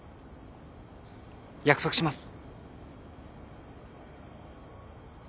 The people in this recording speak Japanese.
約束します。